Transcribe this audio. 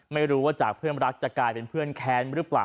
ไม่รู้ว่าจากเพื่อนรักจะกลายเป็นเพื่อนแค้นหรือเปล่า